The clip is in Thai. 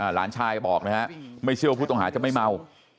หลานชายบอกนะฮะไม่เชื่อว่าผู้ต้องหาจะไม่เมา